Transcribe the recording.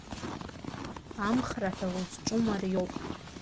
Амхра ҳәа узҿу мариоуп…